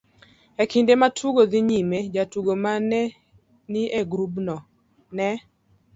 e kinde ma ne tugo dhi nyime, jotugo ma ne ni e grubno ne